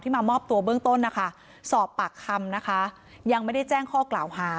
มามอบตัวเบื้องต้นนะคะสอบปากคำนะคะยังไม่ได้แจ้งข้อกล่าวหา